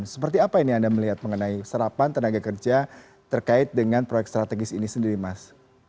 seperti apa ini anda melihat mengenai serapan tenaga kerja terkait dengan proyek strategis ini sendiri mas